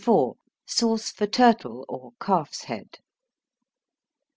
_Sauce for Turtle, or Calf's Head.